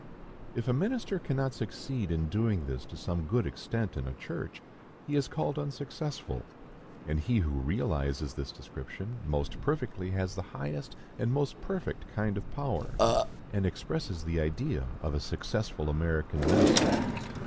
If a minister cannot succeed in doing this to some good extent in a church, he is called unsuccessful; and he who realizes this description most perfectly has the highest and most perfect kind of power, and expresses the idea of a successful American minister.